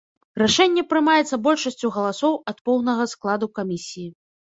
Рашэнне прымаецца большасцю галасоў ад поўнага складу камісіі.